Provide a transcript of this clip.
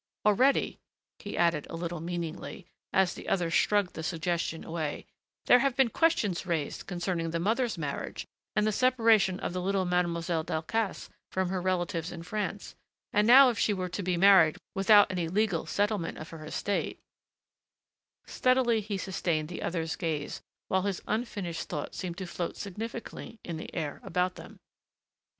Already," he added a little meaningly, as the other shrugged the suggestion away, "there have been questions raised concerning the mother's marriage and the separation of the little Mademoiselle Delcassé from her relatives in France, and now if she were to be married without any legal settlement of her estate " Steadily he sustained the other's gaze, while his unfinished thought seemed to float significantly in the air about them.